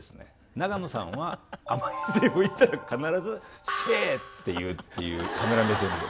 永野さんは甘いセリフを言ったら必ず「シェー」って言うっていうカメラ目線で。